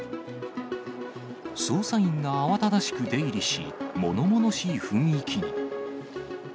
捜査員が慌ただしく出入りし、ものものしい雰囲気に。